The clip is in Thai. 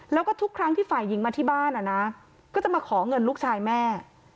แล้วก็ทุกครั้งที่ฝ่ายหญิงมาที่บ้านก็จะมาขอเงินลูกชายแม่